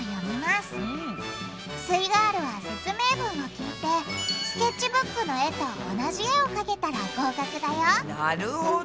すイガールは説明文を聞いてスケッチブックの絵と同じ絵をかけたら合格だよなるほど。